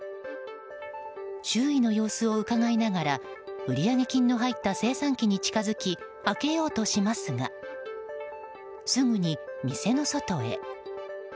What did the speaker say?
周囲の様子をうかがいながら売上金の入った精算機に近づき開けようとしますがすぐに店の外へ。